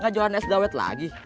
gak jualan es dawet lagi